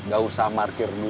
kamu gak usah markir dulu